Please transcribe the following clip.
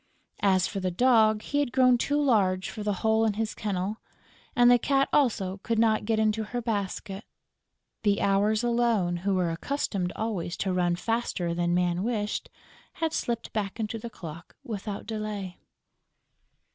As for the Dog, he had grown too large for the hole in his kennel; and the Cat also could not get into her basket. The Hours alone, who were accustomed always to run faster than Man wished, had slipped back into the clock without delay.